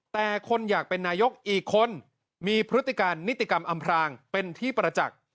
แต่คนอยากเป็นนายกอีกคนมีพฤติการนิติกรรมอำพรางเป็นที่ประจักษ์